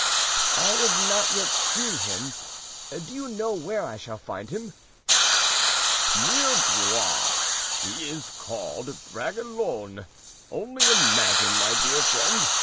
"I have not yet seen him. Do you know where I shall find him?" "Near Blois. He is called Bragelonne. Only imagine, my dear friend.